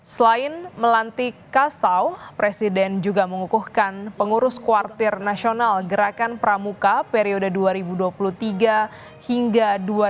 selain melantik kasau presiden juga mengukuhkan pengurus kuartir nasional gerakan pramuka periode dua ribu dua puluh tiga hingga dua ribu dua puluh